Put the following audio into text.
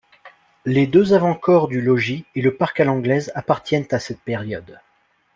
Les deux avant-corps du logis et le parc à l'anglaise appartiennent à cette période.